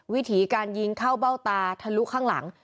วิถีการยิงเข้าเบ้าตาทะลุข้างหลัง